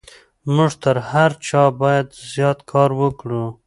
موږ تر هر چا بايد زيات کار وکړو.